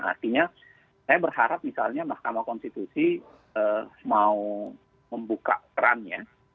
artinya saya berharap misalnya mahkamah konstitusi mau membuka kerannya